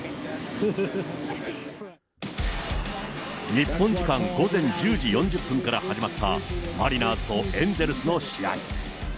日本時間午前１０時４０分から始まった、マリナーズとエンゼルスの試合。